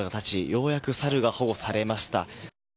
ようやくサルが保護されました。